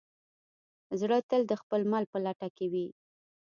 زړه تل د خپل مل په لټه کې وي.